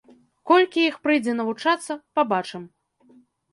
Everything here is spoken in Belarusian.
Колькі іх прыйдзе навучацца, пабачым.